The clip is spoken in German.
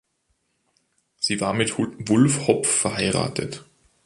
Sie war mit Wulf Hopf verheiratet.